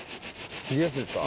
切りやすいですか。